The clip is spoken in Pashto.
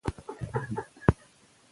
بازار د سوداګرۍ اساسي بنسټ دی.